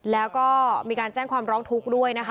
แล้วก็มีการแจ้งความร้องทุกก์